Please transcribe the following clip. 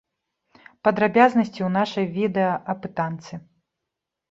Падрабязнасці ў нашай відэаапытанцы!